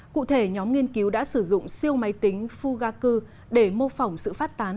cụ thể nhóm nghiên cứu đã sử dụng siêu máy tính fugaku để mô phỏng sự phát tán